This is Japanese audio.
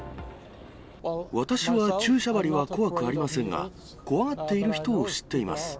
私は注射針は怖くありませんが、怖がっている人を知っています。